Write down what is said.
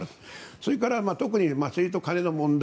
それから特に政治と金の問題